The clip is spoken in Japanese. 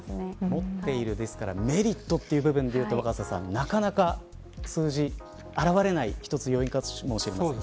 持っているメリットという部分でいうと、なかなか数字、表れない要因かもしれません。